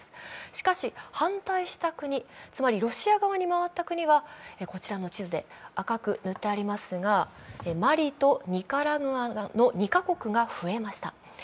しかし、反対した国、つまりロシア側に回った国はこちらの地図で赤く塗ってありますが、マリとニカラグアの２か国が増えました。